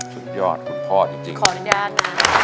สุดยอดคุณพ่อจริง